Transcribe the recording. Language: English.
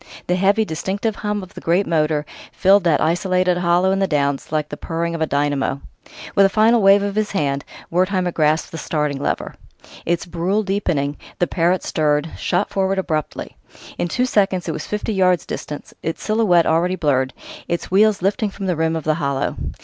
The heavy, distinctive hum of the great motor filled that isolated hollow in the Downs like the purring of a dynamo. With a final wave of his hand, Wertheimer grasped the starting lever. Its brool deepening, the Parrott stirred, shot forward abruptly. In two seconds it was fifty yards distant, its silhouette already blurred, its wheels lifting from the rim of the hollow.